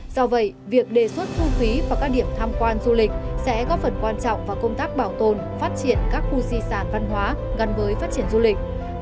do vậy việc đề xuất thu phí vào các điểm tham quan du lịch sẽ góp phần quan trọng vào công tác bảo tồn phát triển các khu di sản văn hóa gắn với phát triển du lịch